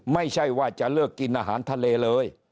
ไม่ใช่ว่าจะเลิกกินอาหารทะเลเลย